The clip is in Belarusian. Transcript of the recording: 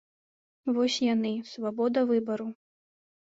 Вось яны, свабода выбару.